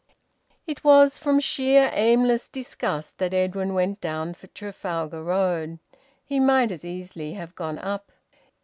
It was from sheer aimless disgust that Edwin went down Trafalgar Road; he might as easily have gone up.